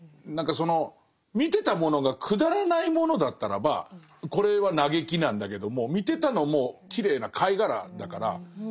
何かその見てたものがくだらないものだったらばこれは嘆きなんだけども見てたのもきれいな貝がらだから。